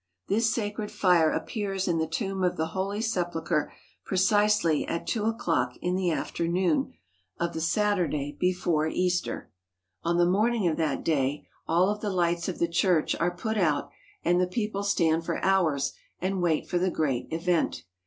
This sacred fire appears in the tomb of the Holy Sep ulchre precisely at two o'clock in the afternoon of the 98 WASHING THE FEET OF THE APOSTLES Saturday before Easter. On the morning of that day all of the lights of the church are put out, and the people stand for hours and wait for the great event.